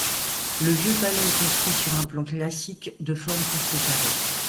Le Vieux palais est construit sur un plan classique de forme presque carrée.